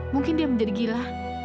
mungkin dia menjadi gila